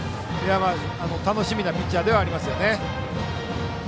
楽しみなピッチャーではあります。